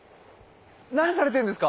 何されてるんですか？